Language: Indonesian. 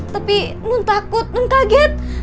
tapi nun takut nun kaget